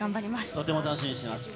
とても楽しみにしています。